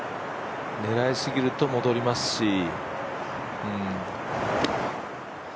狙いすぎると戻りますし。